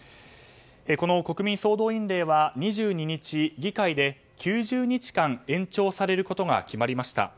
この国民総動員令は２２日、議会で９０日間、延長されることが決まりました。